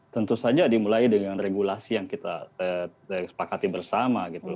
tentu saja dimulai dengan regulasi yang kita sepakati bersama gitu